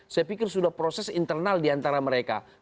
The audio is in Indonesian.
saya pikir sudah proses internal diantara dua partai